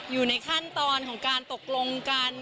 อยู่ในขั้นตอนของการตกลงกัน